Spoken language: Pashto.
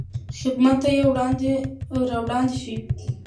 خدمت ته یې راوړاندې شئ.